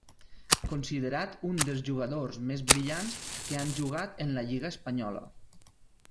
Considerat un dels jugadors més brillants que han jugat en la lliga espanyola.